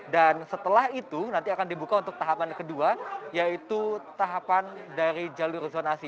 dan setelah itu nanti akan dibuka untuk tahapan kedua yaitu tahapan dari jalur zonasi